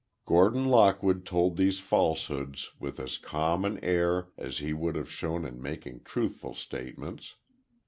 Gordon Lockwood told these falsehoods with as calm an air as he would have shown in making truthful statements.